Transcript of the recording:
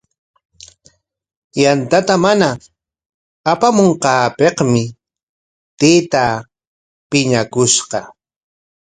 Yantata mana apamunqaapikmi taytaa piñakushqa.